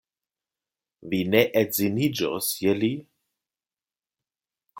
Vi ne edziniĝos je li?